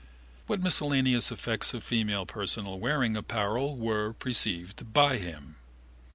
What miscellaneous effects of female personal wearing apparel were perceived by him?